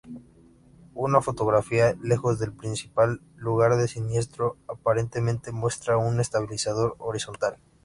Una fotografía lejos del principal lugar de siniestro aparentemente muestra un estabilizador horizontal.